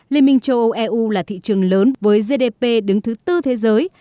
liên minh châu âu eu là thị trường lớn với gdp đứng thứ tư thế giới